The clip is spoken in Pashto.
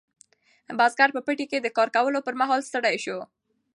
بزګر په پټي کې د کار کولو پر مهال ستړی شو.